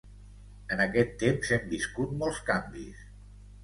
En aquest temps hem viscut molts canvis.